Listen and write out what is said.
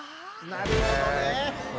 なるほどね。